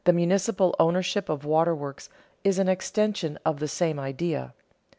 Municipal ownership of waterworks is an extension of the same idea.